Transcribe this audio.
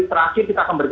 terakhir kita akan bergerak